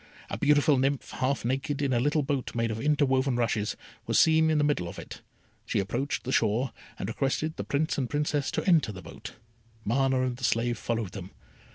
A beautiful nymph, half naked, in a little boat made of interwoven rushes, was seen in the middle of it. She approached the shore, and requested the Prince and Princess to enter the boat. Mana and the slave followed them.